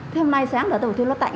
thế hôm nay sáng rồi tôi bảo tôi lo tạnh